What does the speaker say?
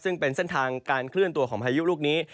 ซึ่งเป็นเส้นทางการเคลื่อนตัวของพายุลูกนี้